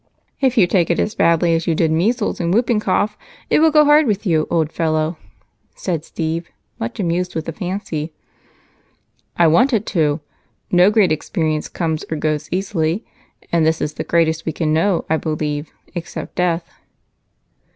"If you take it as badly as you did measles and whooping cough, it will go hard with you, old fellow," said Steve, much amused with the fancy. "I want it to. No great experience comes or goes easily, and this is the greatest we can know, I believe, except death."